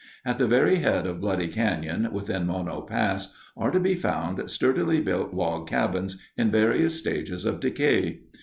At the very head of Bloody Canyon, within Mono Pass, are to be found sturdily built log cabins in various stages of decay.